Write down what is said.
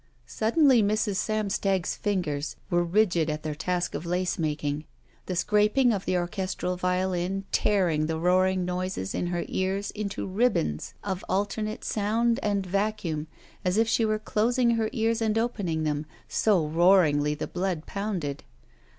Sudd^y Mrs. Samstag's fingers were rigid at their task of lace making, the scraping of the orches tral violin tearing the roaring noises in her ears into ribbons of alternate sound and vacuum, as if she were closing her ears and opening them, so roaringly the blood pounded.